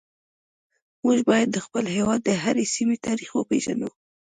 موږ باید د خپل هیواد د هرې سیمې تاریخ وپیژنو